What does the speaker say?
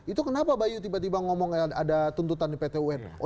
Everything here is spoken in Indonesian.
itu kenapa bayu tiba tiba ngomong ada tuntutan di pt un